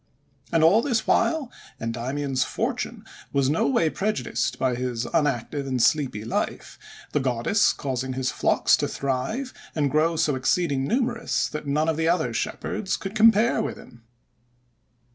And all this while, Endymion's fortune was no way prejudiced by his unactive and sleepy life, the goddess causing his flocks to thrive, and grow so exceeding numerous, that none of the other shepherds could compare with him.